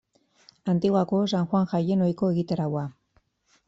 Antiguako San Juan jaien ohiko egitaraua.